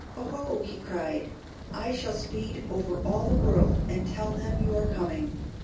"Oho!" he cried, "I shall speed over all the world and tell them you are coming.